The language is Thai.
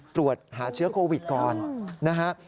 ตรวจหาเชื้อโควิดก่อนนะฮะ